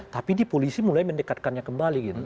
tapi di polisi mulai mendekatkannya kembali gitu